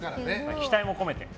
期待も込めて。